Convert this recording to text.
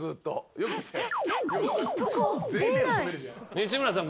西村さん